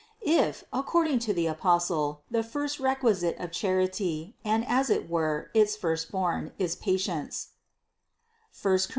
If, according to the Apostle, the first requisite of charity, and as it were its firstborn, is patience (I Cor.